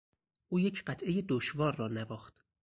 او یک قطعهی دشوار را نواخت.